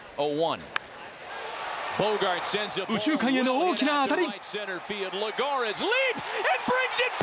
右中間への大きな当たり。